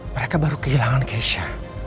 mereka baru kehilangan keisha